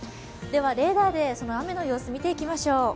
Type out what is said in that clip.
ではレーダーで雨の様子を見ていきましょう。